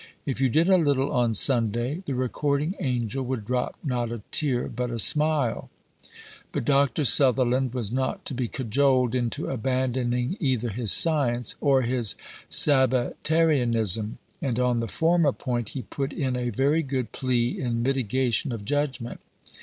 "If you did a little on Sunday, the Recording Angel would drop not a tear but a smile." But Dr. Sutherland was not to be cajoled into abandoning either his science or his Sabbatarianism; and on the former point he put in a very good plea in mitigation of judgment.